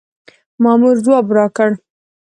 مامور ځواب راکړ.